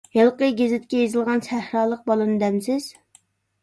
ھېلىقى گېزىتكە يېزىلغان سەھرالىق بالىنى دەمسىز؟